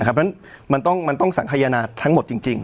นะครับนั้นมันต้องมันต้องสังฆญาณาทั้งหมดจริงจริง